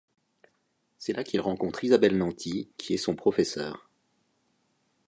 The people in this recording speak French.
C’est là qu’il rencontre Isabelle Nanty, qui est son professeur.